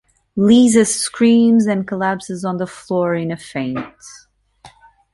Liza screams and collapses on the floor in a faint.